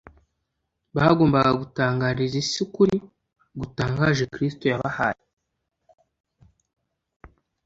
Bagombaga gutangariza isi ukuri gutangaje Kristo yabahaye.